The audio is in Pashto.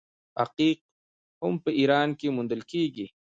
عقیق هم په ایران کې موندل کیږي.